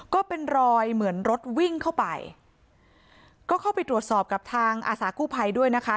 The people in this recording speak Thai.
ก็เป็นรอยเหมือนรถวิ่งเข้าไปก็เข้าไปตรวจสอบกับทางอาสากู้ภัยด้วยนะคะ